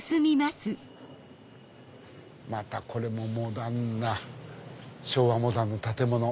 またこれもモダンな昭和モダンな建物。